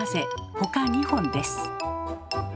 ほか２本です。